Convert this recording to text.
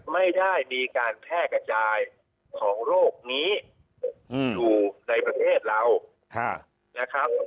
ไม่ได้มีการแพร่กระจายของโรคนี้อยู่ในประเทศเรานะครับ